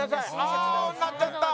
青になっちゃった！